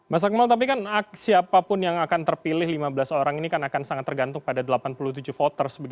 mas akmal tapi kan siapapun yang akan terpilih lima belas orang ini kan akan sangat tergantung pada delapan puluh tujuh voters